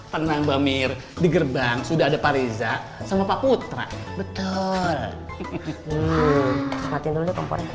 tenang bami di gerbang sudah ada pariza sama pak putra betul